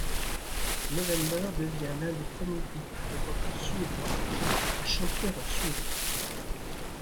November devient l'un des premiers groupes de rock suédois à chanter en suédois.